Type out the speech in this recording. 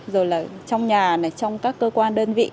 rồi là trong nhà này trong các cơ quan đơn vị